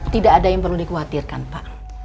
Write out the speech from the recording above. tidak ada yang perlu dikhawatirkan pak